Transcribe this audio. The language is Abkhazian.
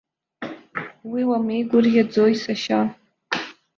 Уи уамеигәырӷьаӡои, сашьа?